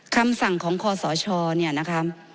คำสั่งของคอสชเนี่ยนะคะ